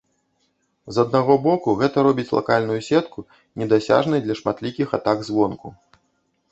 З аднаго боку, гэта робіць лакальную сетку недасяжнай для шматлікіх атак звонку.